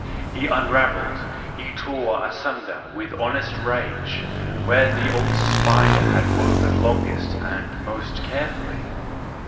He unravelled, he tore asunder with honest rage, where the old spider had woven longest and most carefully.